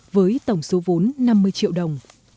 với tổng số vốn năm mươi triệu đồng